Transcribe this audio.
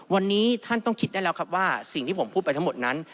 วันนี้ท่านต้องคิดได้แล้วครับว่าสิ่งที่ผมพูดไปทั้งหมดนั้น